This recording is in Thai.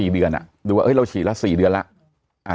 ดูว่าเราฉีดละ๔เดือนแล้ว